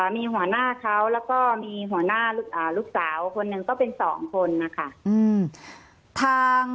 มีหัวหน้าเขาแล้วก็มีหัวหน้าลูกสาวคนหนึ่งก็เป็นสองคนนะคะ